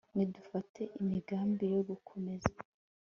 nidufate imigambi yo gukomeza